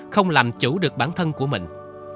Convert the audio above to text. không làm chủ được bản thân của mình